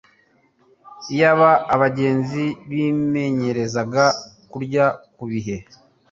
Iyaba abagenzi bimenyerezaga kurya ku bihe